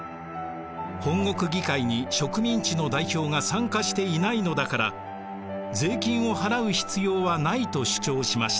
本国議会に植民地の代表が参加していないのだから税金を払う必要はないと主張しました。